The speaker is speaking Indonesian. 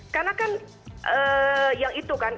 karena kan yang itu kan